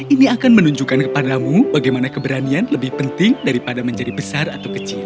ini akan menunjukkan kepadamu bagaimana keberanian lebih penting daripada menjadi besar atau kecil